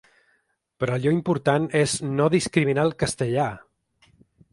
Però allò important és no discriminar el castellà!